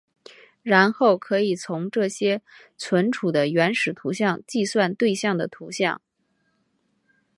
然后可以从这些存储的原始图像计算对象的图像。